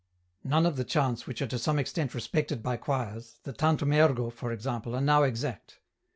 " None of the chants which are to some extent respected by choirs, the ' Tantum ergo,' for example, are now exact.